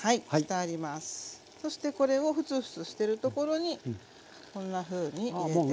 そしてこれをフツフツしてるところにこんなふうに入れていきます。